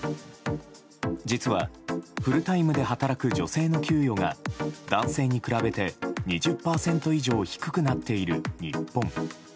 実は、フルタイムで働く女性の給与が男性に比べて２０％以上低くなっている日本。